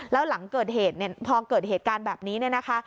แล้วหลังเกิดเหตุเนี่ยพอเกิดเหตุการณ์แบบนี้เนี่ยนะคะ